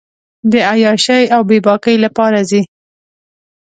د عیاشۍ اوبېباکۍ لپاره ځي.